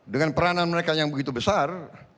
dengan peranan mereka yang begitu besar